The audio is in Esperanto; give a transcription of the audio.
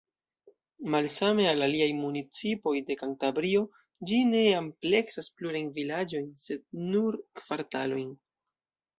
Malsame al aliaj municipoj de Kantabrio, ĝi ne ampleksas plurajn vilaĝojn sed nur kvartalojn.